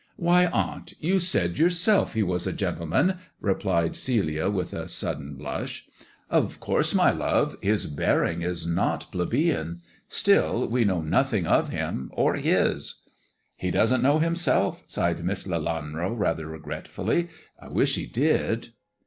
1 "Why, aunt, you said yourself he was a gentleman,'' replied Celia, with a sudden blush. " Of course, my love ! His bearing is not plebeian. Still, we know nothing of him or his." "He doesn't know himself," sighed Miss Lelanro rather regretfully. "I wish he did."